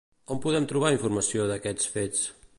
On podem trobar informació d'aquests fets?